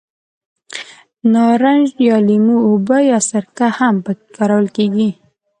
د نارنج یا لیمو اوبه یا سرکه هم په کې کارول کېږي.